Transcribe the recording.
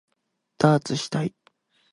ダーツしたい